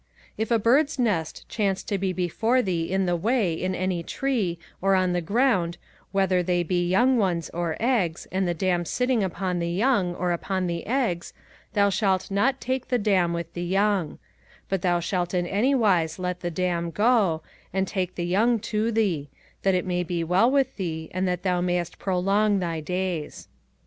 05:022:006 If a bird's nest chance to be before thee in the way in any tree, or on the ground, whether they be young ones, or eggs, and the dam sitting upon the young, or upon the eggs, thou shalt not take the dam with the young: 05:022:007 But thou shalt in any wise let the dam go, and take the young to thee; that it may be well with thee, and that thou mayest prolong thy days.